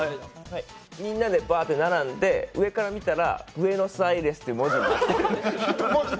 みんなでばーって並んで上から見たらブエノスアイレスという文字になってる。